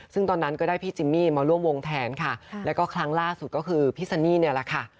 ซึ่งตอนนั้นก็ได้พี่จิมมี่มาร่วมวงแทนค่ะแล้วก็ครั้งล่าสุดก็คือพี่ซันนี่เนี่ยแหละค่ะ